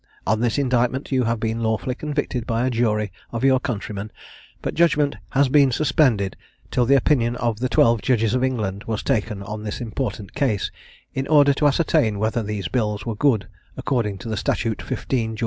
On this indictment you have been lawfully convicted by a jury of your countrymen; but judgment has been suspended till the opinion of the twelve judges of England was taken on this important case, in order to ascertain whether these bills were good, according to the statute 15 Geo.